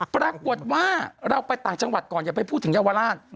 ปรากฏว่าเราไปต่างจังหวัดก่อนอย่าไปพูดถึงเยาวราช